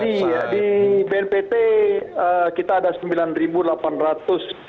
jadi di bnpt kita ada sembilan delapan ratus website